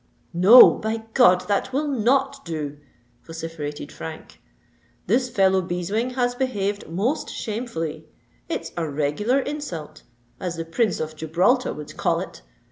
"No—by God! that will not do!" vociferated Frank. "This fellow Beeswing has behaved most shamefully. It's a regular insult—as the Prince of Gibraltar would call it!